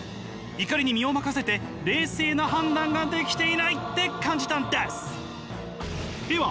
怒りに身を任せて冷静な判断ができていないって感じたんです！